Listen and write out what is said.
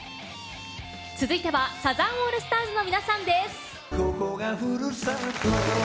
続いてはサザンオールスターズの皆さんです。